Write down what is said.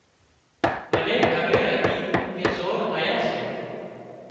منين کٻير هتي ڪي سور آيا سي